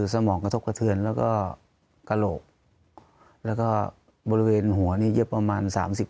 สมองกระทบกระเทือนแล้วก็กระโหลกแล้วก็บริเวณหัวนี้เย็บประมาณ๓๐